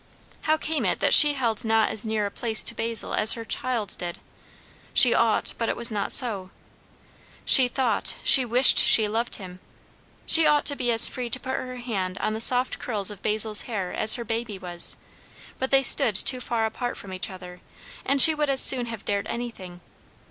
How came it that she held not as near a place to Basil as her child did? She ought, but it was not so. She thought, she wished she loved him! She ought to be as free to put her hand on the soft curls of Basil's hair as her baby was, but they stood too far apart from each other, and she would as soon have dared anything.